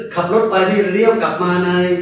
ขับรถไปไปเรียวกลับมา